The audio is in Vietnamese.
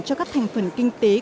cho các thành phần kinh tế